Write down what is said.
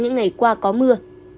những ngày qua có mưa